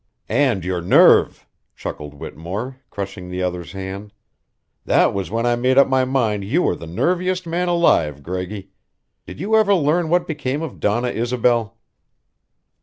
"And your nerve," chuckled Whittemore, crushing the other's hand. "That was when I made up my mind you were the nerviest man alive, Greggy. Did you ever learn what became of Donna Isobel?"